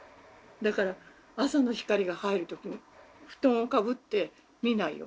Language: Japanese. だから朝の光が入る時布団をかぶって見ないように。